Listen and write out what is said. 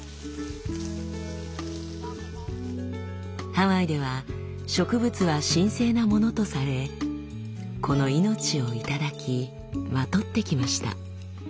ハワイでは植物は神聖なものとされこの命を頂きまとってきました。